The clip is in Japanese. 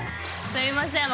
すいません